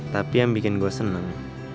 tapi yang bikin gue senang